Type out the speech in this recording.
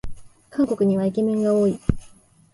韓国にはイケメンが多い